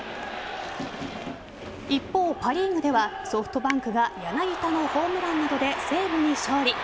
一方、パ・リーグではソフトバンクが柳田のホームランなどで西武に勝利。